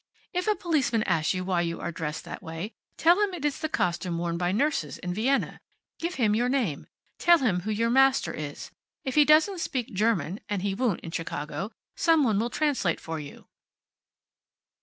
If a policeman asks you why you are dressed that way tell him it is the costume worn by nurses in Vienna. Give him your name. Tell him who your master is. If he doesn't speak German and he won't, in Chicago some one will translate for you."